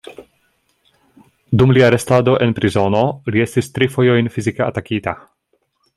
Dum lia restado en prizono li estis tri fojojn fizike atakita.